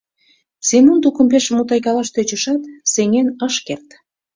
Семон тукым пеш мутайкалаш тӧчышат, сеҥен ышт керт.